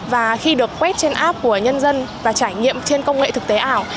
và khi được quét trên app của nhân dân và trải nghiệm trên công nghệ thực tế ảo